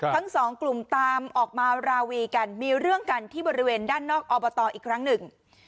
ทั้งสองกลุ่มตามออกมาราวีกันมีเรื่องกันที่บริเวณด้านนอกอบตอีกครั้งหนึ่ง